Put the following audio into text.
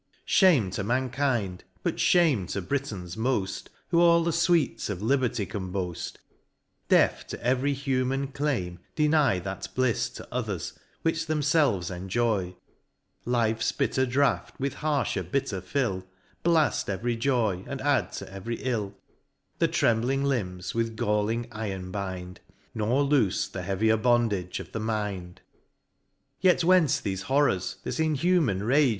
Shame to Mankind ! But flianie to Britons moft, Who all the fweets of Liberty can boaft ; Yet, deaf to every human claim, deny That blifs to others, which thcmfclves enjoy : Life's bitter draught with harfher bitter fill ; Blaft every joy, and add to every ill ; The trembling limbs with galling iron bind, Nor loofe the heavier bondage of the mind. Yet whence thefe horrors ? this inhuman rage.